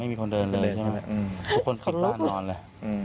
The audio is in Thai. มีคนเดินเลยใช่ไหมทุกคนขับบ้านนอนเลย